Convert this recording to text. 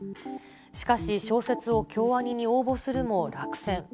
しかし、小説を京アニに応募するも落選。